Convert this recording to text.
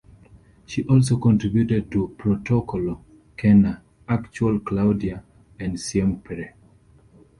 She also contributed to "Protocolo", "Kena", "Actual", "Claudia" and "Siempre".